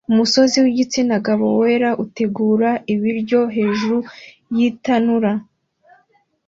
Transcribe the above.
Umusore w'igitsina gabo wera utegura ibiryo hejuru y'itanura